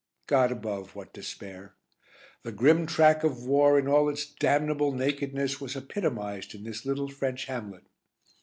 God above, what despair! The grim track of war in all its damnable nakedness was epitomised in this little French hamlet.